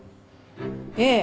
ええ。